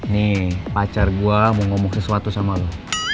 nih pacar gue mau ngomong sesuatu sama gue